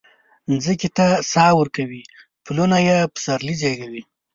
مځکې ته ساه ورکوي پلونه یي سپرلي زیږوي